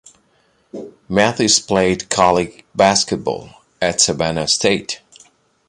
Mathis played college basketball at Savannah State.